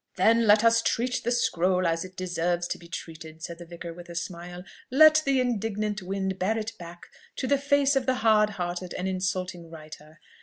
"Then let us treat the scroll as it does deserve to be treated," said the vicar with a smile. "Let the indignant wind bear it back to the face of the hard hearted and insulting writer!"